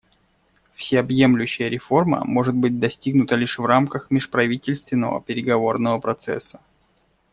Всеобъемлющая реформа может быть достигнута лишь в рамках межправительственного переговорного процесса.